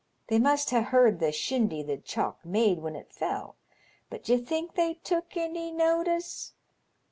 They must ha' heard the shindy the chalk made when it fell, but d'ye think they took any notice?